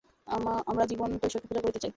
আমরা জীবন্ত ঈশ্বরকে পূজা করিতে চাই।